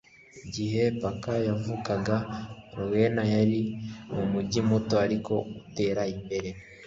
igihe parker yavukaga, rowena yari umujyi muto ariko utera imbere